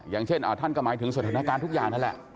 อย่างเช่นท่านก็หมายถึงสถานการณ์ทุกอย่างนั่นแหละ